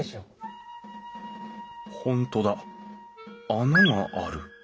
本当だ穴がある。